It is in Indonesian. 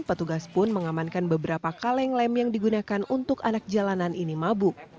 petugas pun mengamankan beberapa kaleng lem yang digunakan untuk anak jalanan ini mabuk